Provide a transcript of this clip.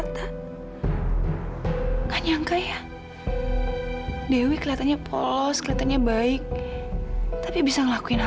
sampai jumpa di video selanjutnya